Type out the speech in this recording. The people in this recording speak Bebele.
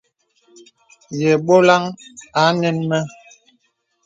Yə bɔlaŋ a nɛŋ mə.